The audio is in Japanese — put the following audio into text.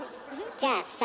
じゃあさ